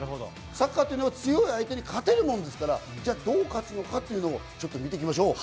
サッカーは強い相手に勝てるもんですから、どう勝つのかというのを見ていきましょう。